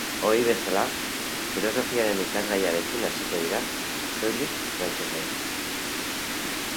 Ohi bezala, filosofiaren ikasgaiarekin hasiko dira, soilik frantsesez.